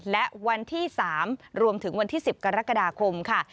และวันที่๓รวมถึงวันที่๑๐กรกฎาคมค่ะ